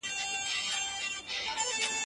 زه سبا ته فکر نه کوم